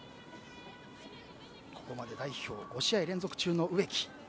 ここまで代表５試合連続中の植木。